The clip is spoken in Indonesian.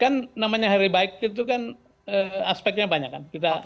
kan namanya hari baik itu kan aspeknya banyak kan